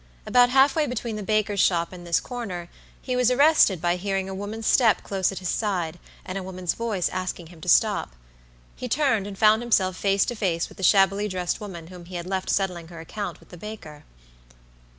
About half way between the baker's shop and this corner he was arrested by hearing a woman's step close at his side, and a woman's voice asking him to stop. He turned and found himself face to face with the shabbily dressed woman whom he had left settling her account with the baker.